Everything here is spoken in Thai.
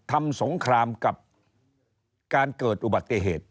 สงครามกับการเกิดอุบัติเหตุ